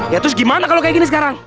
ya terus gimana kalau kayak gini sekarang